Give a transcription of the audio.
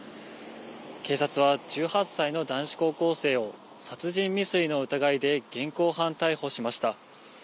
警察は１８歳の男子高校生を、殺人未遂の疑いで現行犯逮捕しました。